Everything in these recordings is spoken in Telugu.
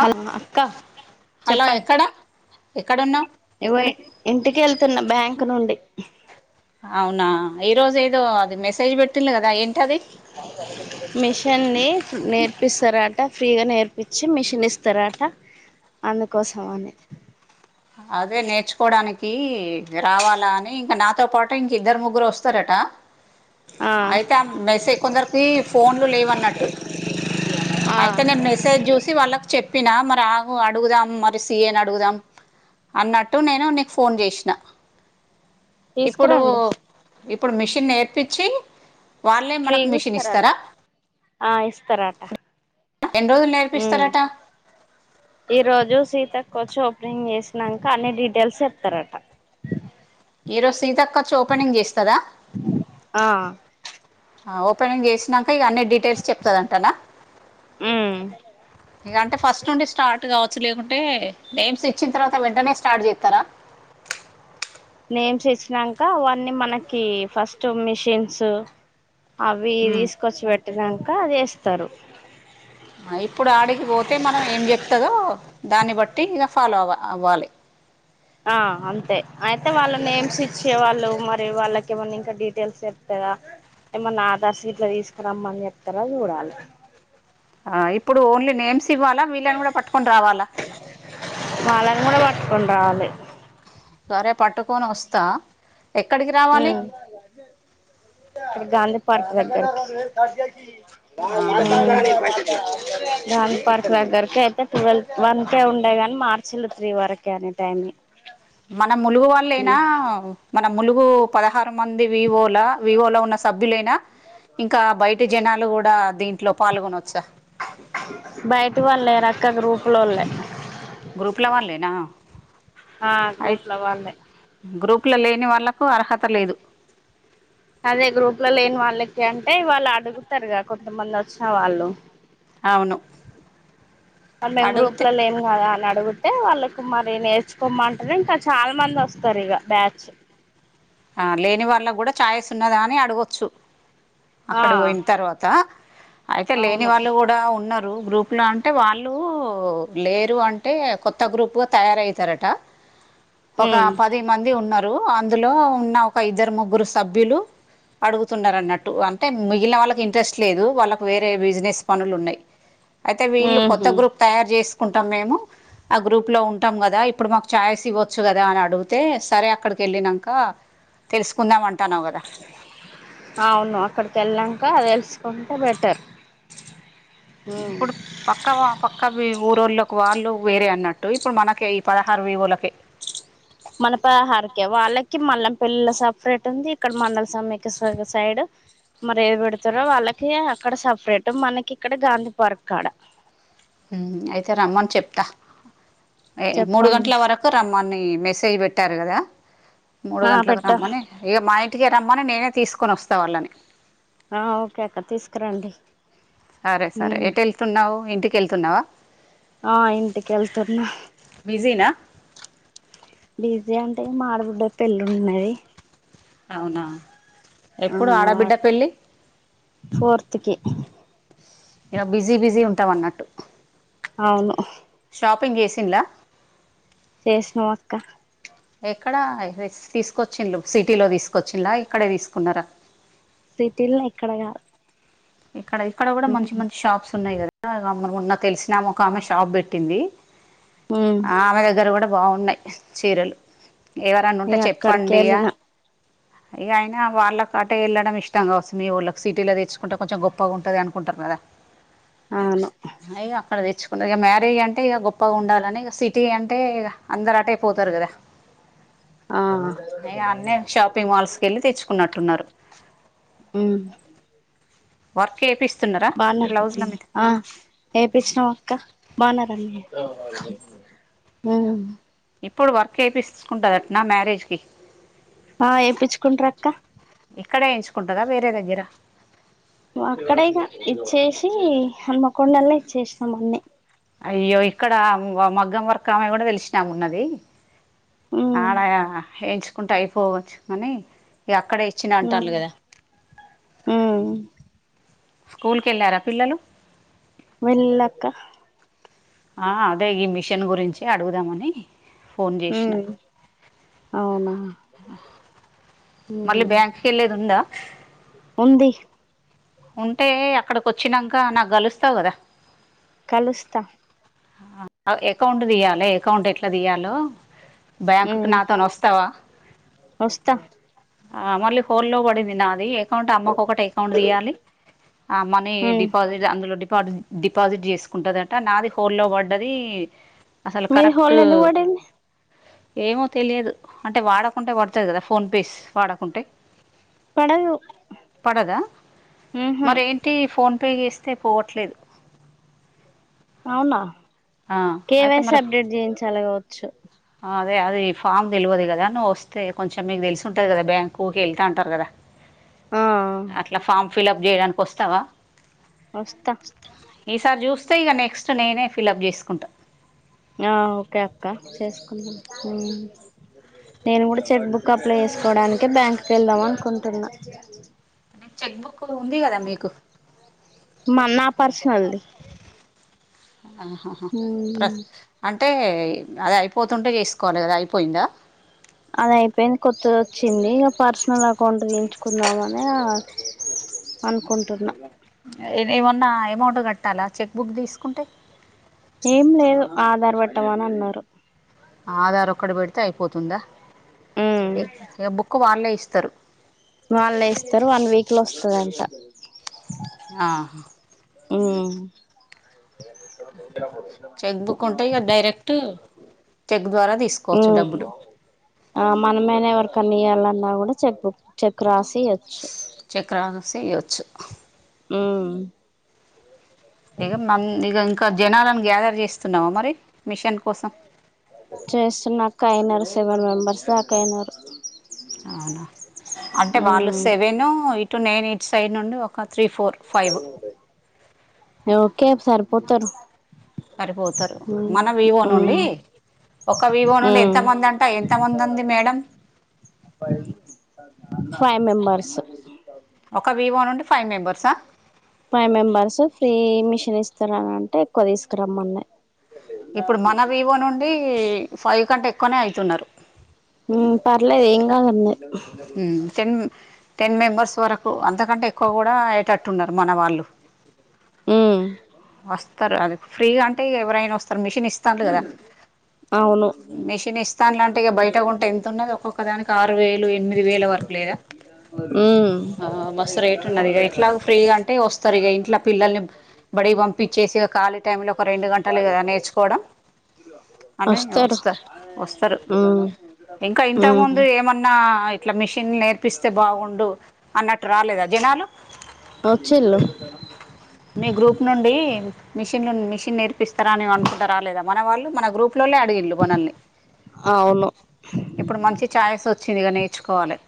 హలో అక్క హలో చెప్పా ఎక్కడ ఎక్కడున్నావు ఇంటికి వెళ్తున్నా బ్యాంక్ నుండి అవునా ఈ రోజు ఏదో అది మెసేజ్ పెట్ పెట్టిళ్ళు కదా ఏంటాది నేర్పిస్తారాట ఫ్రీగా నేర్పించి మిషన్ ఇస్తారాట అందుకోసం అని అదే నేర్చుకోవడానికి రావాలా అని ఇంకా నాతో పాటు ఇంకా ఇద్దరు ముగ్గురు వస్తారట ఆ అయితే ఆ మెసే కొందరికి ఫోన్లు లేవన్నట్టు ఆ అయితే నేను మెసేజ్ చూసి వాళ్ళకి చెప్పినా మరి ఆగు అడుగుదాం మరి సిఐని అడుగుదాం అన్నట్టు నేను నీకు ఫోన్ చేసిన ఇప్పుడు తీసుకురండి ఇప్పుడు మిషన్ నేర్పించి వాళ్లే మనకు ఫ్రీగా మిషన్ ఇస్తారట ఇస్తారా ఆ ఇస్తారట ఎన్ని రోజులు ఉమ్ నేర్పిస్తారట ఈ రోజు సీతక్క వచ్చి ఓపెనింగ్ చేసినాంక అన్ని డీటెయిల్స్ చెప్తారట ఈ రోజు సీతక్క వచ్చి ఓపెనింగ్ చేస్తాదా ఆ ఓపెనింగ్ చేసి నాంక ఇగ అన్ని డీటెయిల్స్ చెప్తాదంటాన ఉమ్ ఇంగా అంటే ఫస్ట్ నుండి స్టార్ట్ కావ నేమ్స్ ఇచ్చిన తర్వాత వెంటనే స్టార్ట్ చేస్తారా నేమ్స్ ఇచ్చినాంక అవన్నీ మనకి ఫస్ట్ మిషన్స్ అవి ఉమ్ తీసుకొచ్చి పెట్టినాంక అది వేస్తారు ఇప్పుడు ఆడికి పోతే మనం ఏం చెప్తాదో దాన్ని బట్టి ఇక ఫాలో అవ అవ్వాలి ఆ అంతే అయితే వాళ్ళు నేమ్స్ ఇచ్చేవాళ్ళు మరి వాళ్ళకి ఏమన్నా ఇంకా డీటెయిల్స్ చెప్తాదా ఏమన్నా ఆధార్ సీట్లు తీసుకురమ్మని చెప్తారా చూడాలి ఆ ఇప్పుడు ఓన్లీ నేమ్స్ ఇవ్వాలా వీళ్ళని కూడా పట్టుకొని రావాలా వాళ్ళని కూడా పట్టుకుని రావాలి సరే పట్టుకొని వస్తా ఎక్కడికి రావాలి మ్మ్ గాంధీ పార్క్ దగ్గరకి ఓ ఆ గాంధీ పార్క్ దగ్గరకి అయితే ట్వెల్ వన్కే ఉండే గాని మార్చిండ్రు త్రీ వరకు అనె టైమిని మన ములుగు వాళ్లేనా మన ములుగు పదహారు మంది వివోలా వివోలో ఉన్న సభ్యులైనా ఇక బయట జనాలు కూడా దీంట్లో పాల్గొనవచ్చా బయటి వాళ్లు లేరక్క గ్రూప్ లోల్లే గ్రూప్ లో వాళ్లేనా ఆ అయి గ్రూప్ల వాళ్ళే గ్రూప్ లో లేని వాళ్లకు అర్హత లేదు అదే గ్రూప్ లో లేని వాళ్లకి అంటే వాళ్లు అడుగుతారుగా కొంతమంది వచ్చిన వాళ్లు అవును అ మేము గ్రూప్ అడిగితే ల్లో లేమ్ కదా అని అడుగు అంటే వాళ్ళకి మరి నేర్చుకోమంటేనే ఇంకా చాలా మంది వస్తారు ఇక బ్యాచ్ ఆ లేని వాళ్ళకి కూడా ఛాయిస్ ఉన్నదా అని అడగొచ్చు ఆ అక్కడ పోయిన తర్వాత అయితే లేని అవును వాళ్ళు కూడా ఉన్నారు గ్రూప్ లో అంటే వాళ్ళు లేరు అంటే కొత్త గ్రూప్ గా తయారవుతారట ఒక ఉమ్ పది మంది ఉన్నారు అందులో ఉన్న ఒక ఇద్దరు ముగ్గురు సభ్యులు అడుగుతున్నారు అన్నట్టు అంటే మిగిలిన వాళ్ళకి ఇంట్రెస్ట్ లేదు వాళ్ళకి వేరే బిజినెస్ పనులు ఉన్నాయి అయితే వీళ్ళు కొత్త ఉహు గ్రూప్ తయారు చేసుకుంటాం మేము ఆ గ్రూప్ లో ఉంటాం కదా ఇప్పుడు మాకు చాయస్ ఇవ్వచ్చు కదా అని అడుగితే సరే అక్కడికి వెళ్ళినాక తెలుసుకుందాం అంటన్నావు కదా అవును అక్కడికి వెళ్ళాక తెలుసుకుంటే బెటర్ ఉమ్ ఇప్పుడు పక్క వ పక్కవి ఊరోళ్ళకి వాళ్ళు వేరే అన్నట్టు ఇప్పుడు మనకి ఈ పదహారు విఓ లకే మన పదహరకే వాళ్ళకి మల్ల పెళ్లిల సపరేట్ ఉంది ఇక్కడ మండల సమైక్య సైడ్ మరి ఏడ పెడతారో వాళ్ళకి అక్కడ సపరేట్ మనకి ఇక్కడ గాంధీ పార్క్ కాడ హు మ్ అయితే రమ్మని చెప్తా ఏ మూడు చెప్పండి గంటల వరకు ఒ రమ్మని మెసేజ్ పెట్టారు కదా మూడు ఆ గంటలకు పెట్టాం రమ్మని ఇక మా ఇంటికే రమ్మని నేనే తీసుకొని వస్తా వాళ్ళని ఆ ఓకే అక్క తీసుకురండి సరే సరే ఉమ్ ఎటు వెళ్తున్నావు ఇంటికి వెళ్తున్నావా ఆ ఇంటి కెళ్తున్న బిజీనా బిజీ అంటే మాఆడబిడ్డ పెళ్ళి ఉన్నది అవునా ఎప్పుడు ఆ ఆడబిడ్డ పెళ్లి ఫోర్త్ కి ఇగ బిజీ బిజీ ఉంటావు అన్నట్టు అవును షాపింగ్ చేసిన్లా చేసినాం అక్క ఎక్కడ డ్రెస్ తీసుకొచ్చిలు సిటీలో తీసుకొచ్చింలా ఇక్కడే తీసుకున్నారా సిటీల్నే ఇక్కడ కాదు ఇక్కడ ఇక్కడ కూడా మంచి మంచి షాప్స్ ఉన్నాయి కదా మొన్న తెలిసినామే ఒక ఆమె షాప్ పెట్టింది ఉమ్ ఆ ఆమె దగ్గర కూడా బాగున్నాయి చీరలు ఎవరన్నా ఉంటే ఇగ అక్కడికి చెప్పండిగా వెళ్ళిన ఇగ అయినా వాళ్ళకి అటే వెళ్ళడం ఇష్టం కావస్తుంది మీ వోళ్ళకి సిటీలో తెచ్చుకో కుంటే కొంచం గొప్పగుంటది అనుకుంటారు కదా అవును ఇగ అక్కడ తెచ్చుకున్నాది ఇగ, మ్యారేజ్ అంటే ఇగ గొప్పగా ఉండాలని ఇగ, సిటీ అంటే ఇగ అందరు అటే పోతారు కదా. ఆ ఇగ అన్ని షాపింగ్ మాల్స్ కేళ్ళి తెచ్చుకున్నట్టున్నారు. ఉమ్మ్ వర్క్ ఏపిస్తున్నారా. బానర్పతి బ్లౌజ్ల మీద ఆ ఏపిచ్చినం అక్క ఇప్పుడు వర్క్ ఏపిస్కుంటదటనా మ్యారేజ్ కి. ఆ ఏపిచ్చుకుంట్ర్ అక్క ఇక్కడే ఏయించుకుంటదా వేరే దగ్గర అక్కడేగా ఇచ్చేసి, హనుమకొండల్నే ఇచ్చేసినాం అన్ని. అయ్యో ఇక్కడ, మగ్గం వర్కమే గుడా తెలిసినామే ఉన్నది. ఉమ్ ఆడ ఎయించుకుంటే అయిపోవచ్చు గనీ, ఇగ అక్కడే ఇచ్చిన ఉమ్ అంటాల్లు గదా. ఉమ్ స్కూల్ కేళ్ళారా పిల్లలు. వెళ్ళక్క ఆ అదే ఈ మిషన్ గురించి అడుగుదామని ఫోన్ జేసిన. ఉమ్ అవునా మళ్ళీ ఉమ్ బ్యాంక్ కేళ్ళేలేద్ ఉందా. ఉంది ఉంటే అక్కడకి ఒచ్చినంక నాక్ గలుస్తావు గదా. కలుస్తా ఆ అకౌంట్ దీయ్యాలే, అకౌంట్ ఎట్లా దీయలో ఉమ్ బ్యాంకుకి నాతోనోస్తావా. వస్తా ఆ మళ్ళీ హోల్డ్ లో పడింది నాది, అకౌంట్ అమ్మకోకటి అకౌంట్ దీయాలి. ఆ మనీ ఉమ్ డిపాజిట్, అందులో డిపాజిట్ డిపాజిట్ చేసుకుంటదట, నాది హోల్డ్ లో పడ్డది అసలు మీ కరెక్ట్ హోల్డ్ ఎందుకు పడింది ఏమో తెలియదు అంటే వాడకుంటే పడతది కదా, ఫోన్ పేస్ వాడకుంటే పడదు పడదా ఉహు మరేంటి ఫోన్పే చేస్తే పోవట్లేదు అవునా, ఆ కే అయితే వై సి మరి అప్డేట్ జేయించాలే కావచ్చు. ఆ అదే అదే ఈ ఫామ్ తెలియదు కదా, నువ్ ఓస్తే కొంచెం మీకు తెలిసి ఉంటది కదా బ్యాంకుకి ఉకే ఎళ్తా ఉంటారు గదా. ఆ అట్లా ఫామ్ ఫిలప్ జేయడానికి ఓస్తావా ఓస్తా ఈసారి జూస్తే ఇగా, నెక్స్ట్ నేనే ఫిలప్ జేసుకుంటా. ఆ ఓకే అక్క చేస్కుందూ ఉమ్ నేను గుడా చెక్ బుక్ అప్లై చేసుకోవడానికే, బ్యాంక్కు ఎళ్దాం అనుకుంటున్నా. నీక్ చెక్ బుక్ ఉంది కదా మీకు మా నా పర్సనల్ది ఆహాహ ఉమ్ ప్రత్ అంటే అది అయిపోతుంటే జేస్కోవాలి గదా, అయిపోయిందా. అది అయిపోయింది కొత్తది ఒచ్చింది ఇగా పర్సనల్ అకౌంట్ దించుకుందామానే ఆ అనుకుంటున్నా ఇది ఏమన్నా అమౌంట్ గాట్టాలా చెక్ బుక్ దీస్కుంటే. ఏం లేదు ఆధార్ బెట్టమనన్నారు. ఆధార్ ఒక్కటి బెడితే అయిపోతుందా, ఉమ్ ఇగ్ ఇగ బుక్ వాళ్ళే ఇస్తారు. వాళ్ళే ఇస్తారు, వన్ వీక్ లో ఓస్తదంట. ఆ ఉ [inaudible] చెక్ బుక్ ఉంటే ఇక డైరెక్ట్ చెక్ ద్వారా తీసుకోవచ్చు ఉమ్ డబ్బులు ఆ మనమైన ఎవరికన్నా ఇవ్వాలన్నా కూడా చెక్ బుక్ చెక్ రాసి ఇయొచ్చు చెక్ రాసేసి ఇయ్యొచ్చు ఉ ఇక మ ఇక ఇంకా జనాలను గ్యాదర్ చేస్తున్నావా మరి మిషన్ కోసం చేస్తున్నా అక్క అయినారు సెవెన్ మెంబర్స్దాకా అయిన అవునా అంటే వాళ్ళు ఉమ్ seven eight nine eight it side నుండి ఒక three four five okay sir పోతారు సరిపోతారు మన వివో నుండి ఒక వివో నుండి ఎంత ఉమ్ మంది అంట ఎంతమంది ఉంది మేడం [inaudible] ఫైవ్ మెంబర్స్ ఒక వివో నుండి ఫైవ్ మెంబర్సా ఫైవ్ మెంబర్స్ ఫ్రీ మిషన్ ఇస్తున్నారంటే ఎక్కువ తీసుకురమ్మన్నాయి ఇప్పుడు మన వీవో నుండి ఫైవ్ కంటే ఎక్కువనే అయితున్నారు ఉమ్ పర్లేదు ఏం కాదండి ఉమ్ చెన్ టెన్ మెంబర్స్ వరకు అంతకంటే ఎక్కువ కూడా అయేటట్టు ఉన్నారు మన వాళ్ళు ఉమ్ [inaudible] వస్తారు అది ఫ్రీగా అంటే ఎవరైనా వస్తారు మిషన్ ఇస్తను కదా అవును మిషన్ ఇస్తాను లాంటే ఇక బయటకుంటే ఎంత ఉన్నది ఒక్కొక్క దానికి ఆరు వేలు ఎమి ది వేల వరకు లేదా ఆ ఆ బస్సు రేట్ ఉన్నది ఇ ఇట్లా ఫ్రీగా అంటే వస్తారు ఇక ఇంట్లా పిల్లల్ని బడికి పంపిచ్చేసి ఖాళీ టైంలో ఒక రెండు గంటలే కదా నేర్చుకోవడం అమె వస్తారు వస్తా వస్తారు ఉమ్ ఇంకా ఇంతకు ఉమ్ ముందు ఏమన్నా అట్లా మిషన్లు నేర్పిస్తే బాగుండు అన్నట్టు రాలేదా జనాలు వొచ్చిల్లు మీ గ్రూప్ నుండి మిషన్ నుండి మిషన్ పిస్తారాని అనుకుంటారా లేదా మన వాళ్ళు మన గ్రూప్ లోనే అడిగిళ్ళు మనల్ని అవును ఇప్పుడు మంచి ఛాయస్ వచ్చిందిగా నేర్చుకోవాలి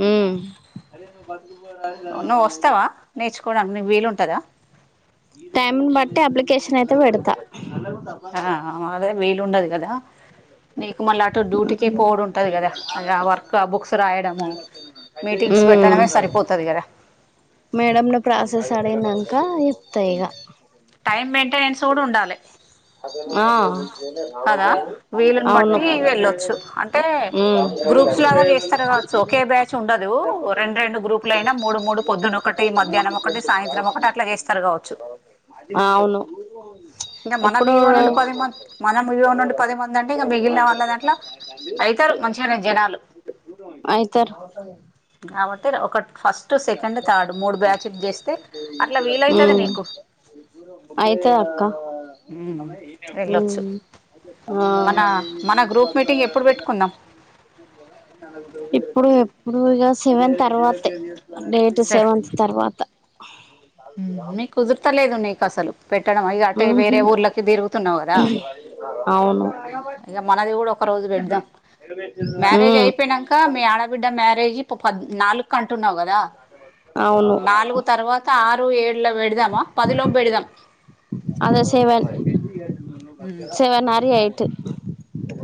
ఆ [inaudible] నువ్వు వస్తావా నేర్చుకోవడానికి నీకు వీలు ఉంటుందా టైమ్ని బట్టి అప్లికేషన్ అయితే పెడతా ఆ అదే వీలుండదు కదా నీకు మళ్ళీ అటు డ్యూటీకి పోడం ఉంటది కదా ఆ వర్క్ ఆ బుక్స్ రాయడము మీటింగ్స్ ఉమ్ పెట్టడమే సరిపోతది కదా మేడంను ప్రాసెస్ అడిగినంక చెప్తా ఇగ టైం మెయింటెనెన్స్ కూడా ఉండాలి ఆ కదా [inaudible] అవును టే ఉమ్ గ్రూప్స్ లాగా చేస్తారు కావచ్చు ఒకే బ్యాచ్ ఉండదు రెండు రెండు గ్రూప్ ట్లయినా మూడు మూడు పొద్దులు ఒకటి మధ్యాహ్నం ఒకటి సాయంత్రం ఒకటి అట్లా చేస్తారు కావచ్చు అవును [inaudible] ఇంకా మనం ఇప్పుడు వివో నుండి పది మంది మనం వివో నుండి పది మంది అంటే ఇంకా మిగిలిన వాళ్ళ దాంట్లో అవుతారు మంచిగానే జనాలు అయితారు కాబట్టిర్ ఒకటి ఫస్ట్ టు సెకండ్ థర్డ్ మూడు బ్యాచెట్ చేస్తే అట్లా వీలైతది నీకు అయితే అక్క ఉమ్ వెళ్ళొచ్చు ఆ మన మన గ్రూప్ మీటింగ్ ఎప్పుడు పెట్టుకుందాం ఇప్పుడు ఎప్పుడు ఇక సెవెన్ తర్వాతే డేట్ సరే సెవెన్ తర్వాత మీకు కుదుర్తలేదు నీకు అసలు పెట్టడం అయి అటే ఉహు వేరే ఊర్లకి తిరుగుతున్నావు కదా అవును ఇక మనది కూడా ఒక రోజు పెడదాం మ్యారేజ్ ఉమ్ అయిపోయినాక మీ ఆడ బిడ్డ మ్యారేజ్ ఇ పద్ నాలుగు కంటున్నావు కదా అవును నాలుగు తర్వాత ఆరు ఏడు లో పెడదామా పదిలోపు పెడదాం అద seven um, seven or eight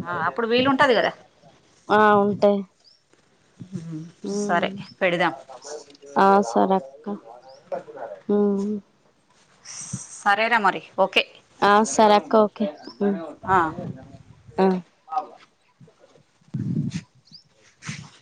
ఆ అప్పుడు వీలుంటది కదా ఆ ఉంటాయి ఉమ్ సరే పెడదాం ఆ సరే అక్క ఉమ్ సరేనా మరి ఓకే ఆ సారే అక్క ఓకే ఆ. ఉమ్